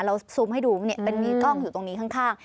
ซูมให้ดูมีกล้องอยู่ตรงนี้ข้าง